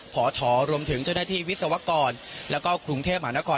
พอถอรวมถึงเจ้าหน้าที่วิศวกรแล้วก็กรุงเทพมหานคร